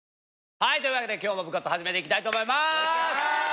はいというわけで今日も部活始めていきたいと思います。